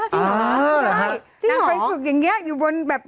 จริงเหรอจริงเหรอนางไขวฝึกอย่างเงี้ยอยู่บนแบบ